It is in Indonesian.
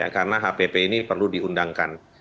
karena hpp ini perlu diundangkan